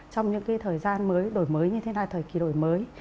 trong những thời gian mới đổi mới như thế này thời kỳ đổi mới